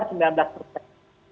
sekitar sembilan belas persen